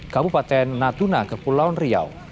kabupaten natuna ke pulauan riau